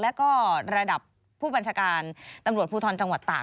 แล้วก็ระดับผู้บัญชาการตำรวจภูทรจังหวัดตาก